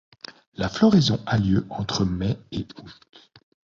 La floraison a lieu entre mai et août.